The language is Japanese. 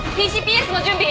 ＰＣＰＳの準備。